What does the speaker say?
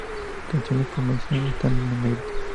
Canciones promocionales están en negrita.